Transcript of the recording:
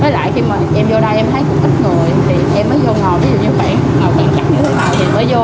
với lại khi mà em vô đây em thấy cũng ít người thì em mới vô ngồi ví dụ như khoảng khoảng chắc như thế nào thì mới vô